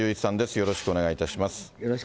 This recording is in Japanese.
よろしくお願いします。